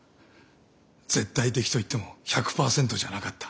絶対的といっても１００％じゃなかった。